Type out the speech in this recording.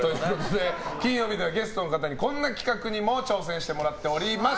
金曜日はゲストの方にこんな企画にも挑戦してもらっております。